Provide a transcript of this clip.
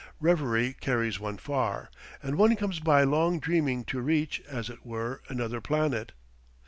Reverie carries one far; and one comes by long dreaming to reach, as it were, another planet.